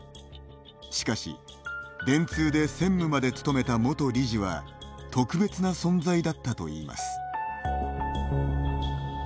しかし、電通で専務まで務めた元理事は特別な存在だったといいます。